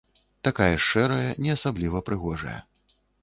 Такая ж шэрая, не асабліва прыгожая.